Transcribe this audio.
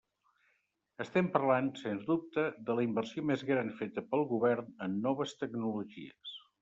Estem parlant, sens dubte, de la inversió més gran feta pel Govern en noves tecnologies.